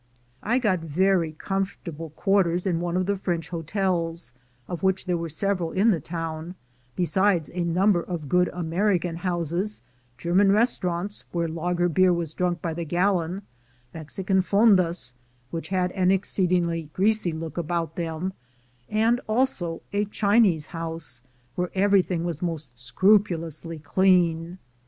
I got very comfortable quarters in one of the French hotels, of which there were several in the town, be sides a number of good American houses; German restaurants, where lager beer was drunk by the gallon ; Mexican fondas, which had an exceedingly greasy look about them; and also a Chinese house, where every thing was most scrupulously clean.